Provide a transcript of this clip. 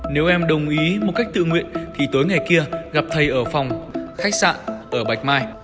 nếu em đồng ý một cách tự nguyện thì tối ngày kia gặp thầy ở phòng khách sạn